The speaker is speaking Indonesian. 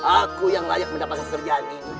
aku yang layak mendapatkan pekerjaan ini